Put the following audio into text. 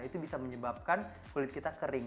itu bisa menyebabkan kulit kita kering